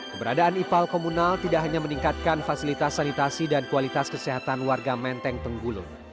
keberadaan ipal komunal tidak hanya meningkatkan fasilitas sanitasi dan kualitas kesehatan warga menteng tenggulung